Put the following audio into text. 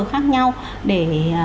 khác nhau để